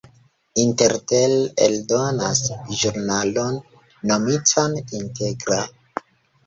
Intertel eldonas ĵurnalon nomitan "Integra".